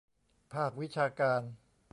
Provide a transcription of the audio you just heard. ภาควิชาการ